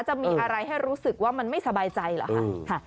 จะมีอะไรให้รู้สึกว่ามันไม่สบายใจเหรอคะ